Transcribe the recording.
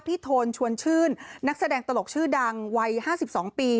โทนชวนชื่นนักแสดงตลกชื่อดังวัย๕๒ปี